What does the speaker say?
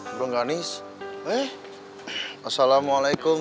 mengganis eh assalamualaikum